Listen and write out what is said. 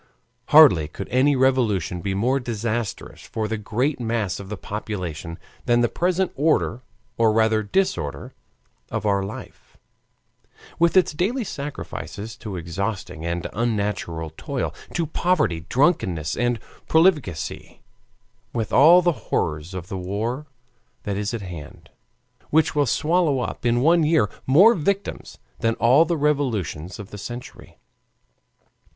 Hardly could any revolution be more disastrous for the great mass of the population than the present order or rather disorder of our life, with its daily sacrifices to exhausting and unnatural toil, to poverty, drunkenness, and profligacy, with all the horrors of the war that is at hand, which will swallow up in one year more victims than all the revolutions of the century.